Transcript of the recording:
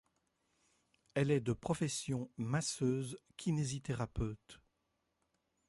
Elle est de profession masseuse-kinésithérapeute.